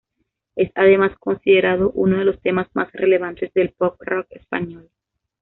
Es además considerado uno de los temas más relevantes del pop rock español.